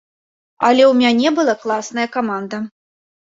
Але ў мяне была класная каманда.